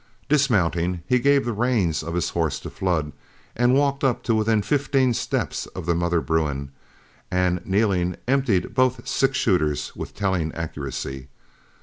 Dismounting, he gave the reins of his horse to Flood, walked up to within fifteen steps of mother bruin, and kneeling, emptied both six shooters with telling accuracy.